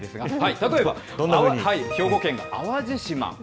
例えば、兵庫県の淡路島。